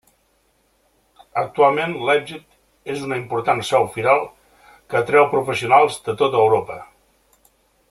Actualment Leipzig és una important seu firal que atreu professionals de tot Europa.